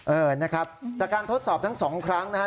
เอิญนะครับจากการทดสอบทั้ง๒ครั้งนะครับ